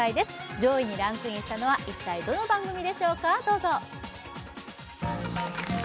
上位にランクインしたのは一体どの番組でしょうか、どうぞ。